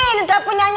belum ada jadwal kuning